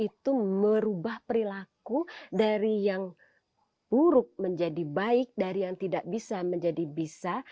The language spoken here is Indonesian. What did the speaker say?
itu merubah perilaku dari yang buruk menjadi baik dari yang tidak bisa menjadi bisa